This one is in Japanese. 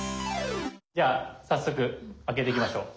じゃあ早速開けていきましょう。